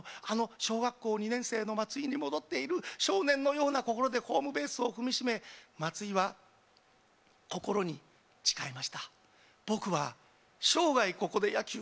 そのとき松井秀喜は稲刈りが終わったあの小学校２年生の松井に戻っている、少年のような心でホームベースを踏みしめ松井は心に誓いました。